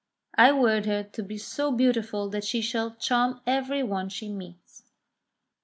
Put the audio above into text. I weird her to be so beautiful that she shall charm every one she meets."